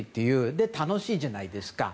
で、楽しいじゃないですか。